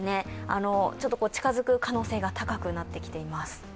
ちょっと近づく可能性が高くなってきています。